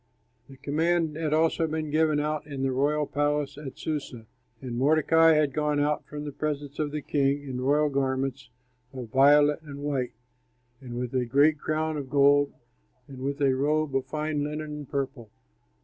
The command had also been given out in the royal palace at Susa; and Mordecai had gone out from the presence of the king in royal garments of violet and white and with a great crown of gold and with a robe of fine linen and purple.